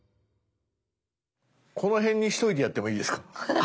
この辺にしといてやってもいいですか。